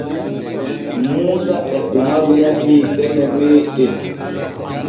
Muusa e umaru yahii deme meeɗen.